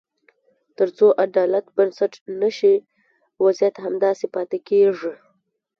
تر څو عدالت بنسټ نه شي، وضعیت همداسې پاتې کېږي.